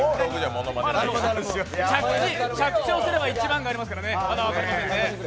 着地をすれば１番がありますからまだ分かりませんね。